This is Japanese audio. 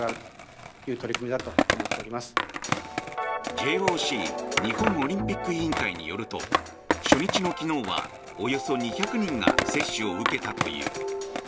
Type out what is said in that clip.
ＪＯＣ・日本オリンピック委員会によると初日の昨日は、およそ２００人が接種を受けたという。